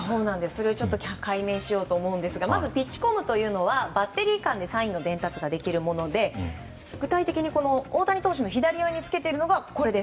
それを解明しようと思うんですがまずピッチコムというのはバッテリー間でサインの伝達ができるもので具体的に大谷投手の左腕に着けているのがこちら。